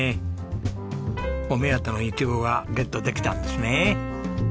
お目当てのイチゴがゲットできたんですね。